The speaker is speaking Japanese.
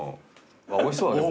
おいしそうだね。